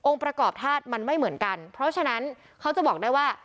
ประกอบธาตุมันไม่เหมือนกันเพราะฉะนั้นเขาจะบอกได้ว่า